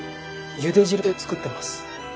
ゆで汁で作ってます。